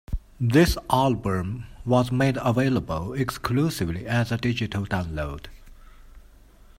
This album was made available exclusively as a digital download.